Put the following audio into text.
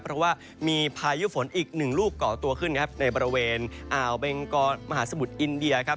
เพราะว่ามีพายุฝนอีกหนึ่งลูกก่อตัวขึ้นครับในบริเวณอ่าวเบงกอมหาสมุทรอินเดียครับ